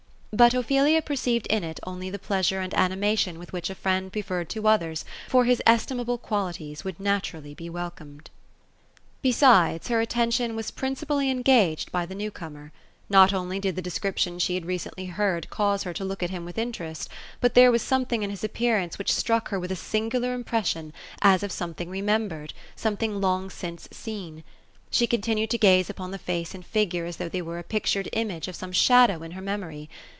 But Ophelia perceived in it only the pleasure and animation with which a friend preferred to others for his estimable qualities, would naturally be welcomed. Besides, her attention was principally engaged by the new comer. Not only did the description she had recently heard, cause her to look at him with interest, but there was something in his appearance which struck her with a singular impression, as of something remembered — something long since seen. She continued to gaze upon the face and figure, as though they were a pictured image of some shadow in her memory.